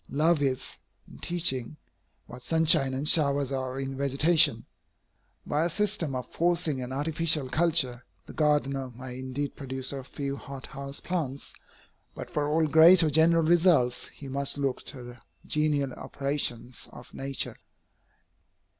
Love is, in teaching, what sunshine and showers are in vegetation. By a system of forcing and artificial culture, the gardener may indeed produce a few hot house plants, but for all great or general results, he must look to the genial operations of nature.